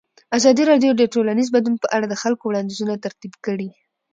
ازادي راډیو د ټولنیز بدلون په اړه د خلکو وړاندیزونه ترتیب کړي.